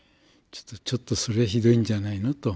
ちょっとそれはひどいんじゃないのと。